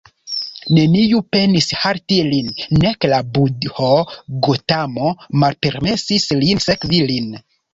Neniu penis halti lin, nek la budho Gotamo malpermesis lin sekvi lin.